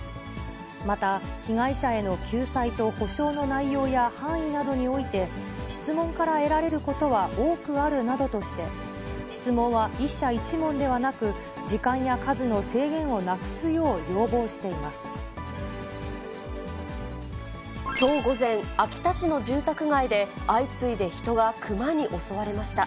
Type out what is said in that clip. また被害者への救済と補償の内容や範囲などにおいて、質問から得られることは多くあるなどとして、質問は１社１問ではなく、時間や数の制限をなくすよう要望していきょう午前、秋田市の住宅街で相次いで人がクマに襲われました。